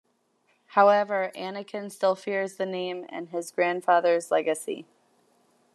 However, Anakin still fears the name and his grandfather's legacy.